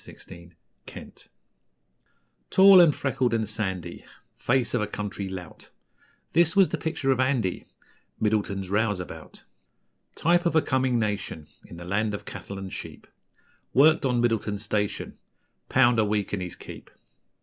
Middleton's Rouseabout Tall and freckled and sandy, Face of a country lout; This was the picture of Andy, Middleton's Rouseabout. Type of a coming nation, In the land of cattle and sheep, Worked on Middleton's station, 'Pound a week and his keep.'